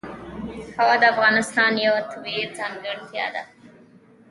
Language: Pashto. هوا د افغانستان یوه طبیعي ځانګړتیا ده.